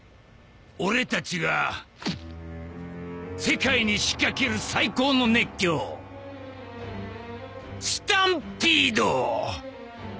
俺たちが世界に仕掛ける最高の熱狂スタンピード！